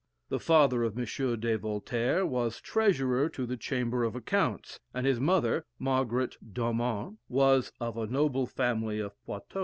The father of M. de Voltaire was treasurer to the Chamber of Accounts, and his mother, Margaret d'Aumart, was of a noble family of Poitou.